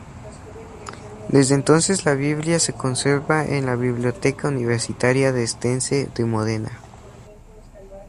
Desde entonces la Biblia se conserva en la Biblioteca Universitaria de Estense de Módena.